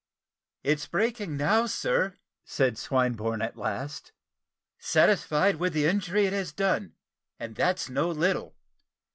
"It's breaking now, sir," said Swinburne at last, "satisfied with the injury it has done and that's no little.